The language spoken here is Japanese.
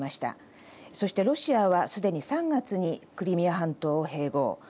そしてロシアはすでに３月にクリミア半島を併合。